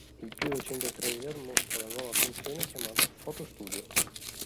Il più recente trailer mostra la nuova funzione chiamata "Photo Studio".